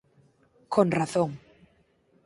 Con razón.